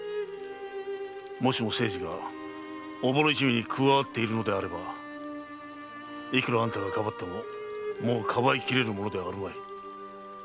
もしも清次がおぼろ一味に加わっているのであればいくらあんたが庇ってももう庇いきれるものではあるまい。